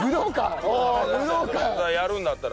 やるんだったら。